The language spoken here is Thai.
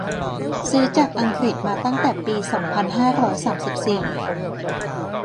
ซื้อจากอังกฤษมาตั้งแต่ปี สองพันห้าร้อยสามสิบสี่